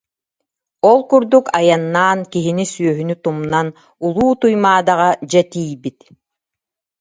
Ол курдук айаннаан, киһини-сүөһүнү тумнан, Улуу Туймаадаҕа дьэ тиийбит